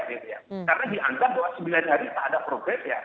karena dianggap buat sembilan hari tak ada progres